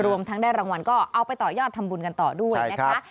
รวมทั้งได้รางวัลก็เอาไปต่อยอดทำบุญกันต่อด้วยนะคะ